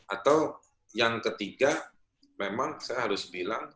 atau yang ketiga memang saya harus bilang